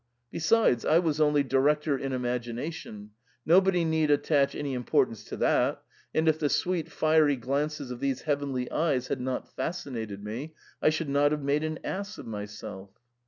Besides, I was only director in imagination ; nobody need attach any importance to that, and if the sweet fiery glances of these heavenly eyes had not fascinated me, I should not have made an ass of myself.'